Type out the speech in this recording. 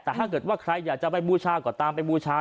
แต่ถ้าเกิดว่าใครอยากจะไปบูชาก็ตามไปบูชา